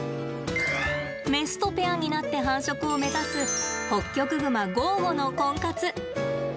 メスとペアになって繁殖を目指すホッキョクグマゴーゴのコンカツ。